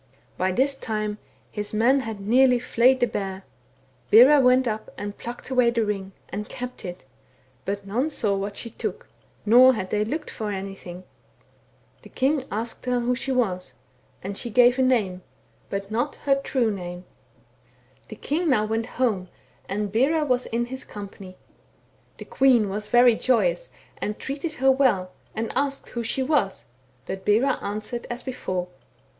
By this time his men had nearly flayed the bear ; Bera went up and plucked away the ring, and kept it, but none saw what she took, nor had they looked for anything. ' The king THE WERE WOLF IN THE NORTH. 27 asked her who she was, and she gave a name, but not her true name. " The king now went home, and Bera was in his company. The queen was very joyous, and treated her well, and asked who she was ; but Bera answered as before.